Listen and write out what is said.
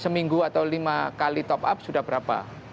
seminggu atau lima kali top up sudah berapa